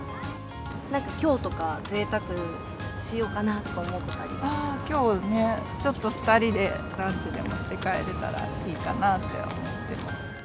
なんかきょうとかぜいたくしきょうね、ちょっと２人でランチでもして帰れたらいいなと思ってます。